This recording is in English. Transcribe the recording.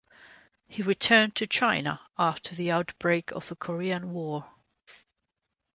He returned to China after the outbreak of the Korean War.